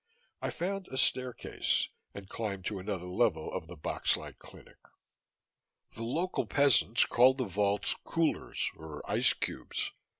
I found a staircase and climbed to another level of the boxlike clinic. The local peasants called the vaults "coolers" or "ice cubes."